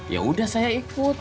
ya udah saya ikut